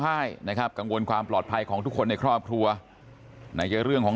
ให้นะครับกังวลความปลอดภัยของทุกคนในครอบครัวไหนจะเรื่องของ